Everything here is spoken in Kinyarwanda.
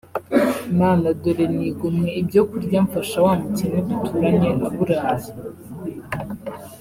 Mana dore nigomwe ibyo kurya mfasha wa mukene duturanye aburaye